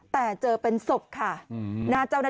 แต่เจอเป็นศพค่ะ